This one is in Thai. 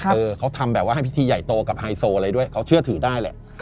เออเขาทำแบบว่าให้พิธีใหญ่โตกับไฮโซอะไรด้วยเขาเชื่อถือได้แหละ